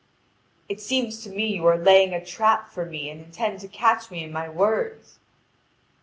"It seems to me you are laying a trap for me and intend to catch me in my words."